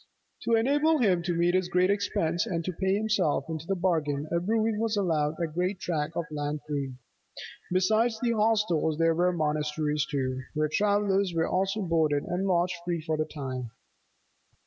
To enable him to meet this great expense and to pay himself into the bargain, a brewy was allowed a great tract of land free. Besides the hostels, there were the monasteries, too, where travellers were also boarded and lodged free for the time.